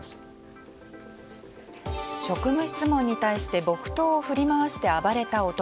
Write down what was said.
職務質問に対して木刀を振り回して暴れた男。